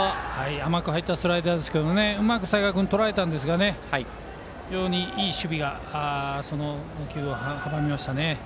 甘く入ったスライダーうまく齊賀君がとらえたんですが非常にいい守備がその打球を阻みましたね。